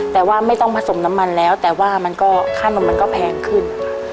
แต่ว่าไม่ต้องผสมน้ำมันแล้วแต่ว่ามันก็ค่านมมันก็แพงขึ้น